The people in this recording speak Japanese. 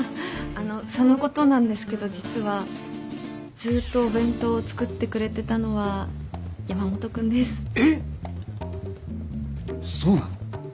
あのそのことなんですけど実はずっとお弁当を作ってくれてたのは山本君です。えっ！？そうなの？